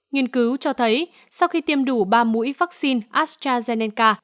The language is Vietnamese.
nghiên cứu cho thấy sau khi tiêm đủ ba mũi vaccine astrazeneca